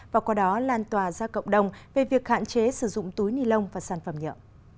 và qua đó lan tòa ra cộng đồng về việc hạn chế sử dụng túi nilon và sản phẩm nhựa